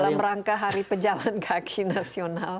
dalam rangka hari pejalan kaki nasional